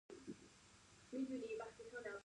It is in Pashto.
ایا زه باید ماښام ورزش وکړم؟